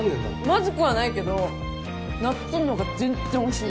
まずくはないけどなっつんの方が全然おいしい。